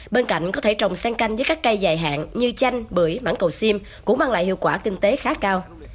bên cạnh có thể trồng sen canh với các cây dài hạn như chanh bưởi mắng cầu xiêm cũng mang lại hiệu quả kinh tế khá cao